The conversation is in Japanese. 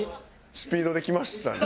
スピードできましたね。